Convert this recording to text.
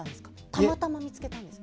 たまたま見つけたんですか？